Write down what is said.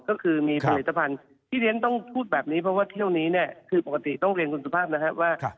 ก็คือมีผลิตภัณฑ์ที่เรียนต้องพูดแบบนี้เพราะว่าเที่ยวนี้เนี่ยคือปกติต้องเรียนคุณสุภาพนะครับว่า